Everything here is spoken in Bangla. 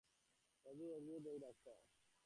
অদ্ভুত, অদ্ভূত ওই দাগটা।